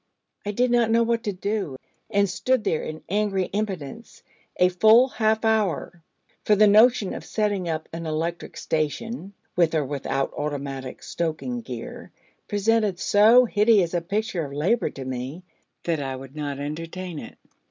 I did not know what to do, and stood there in angry impotence a full half hour, for the notion of setting up an electric station, with or without automatic stoking gear, presented so hideous a picture of labour to me, that I would not entertain it.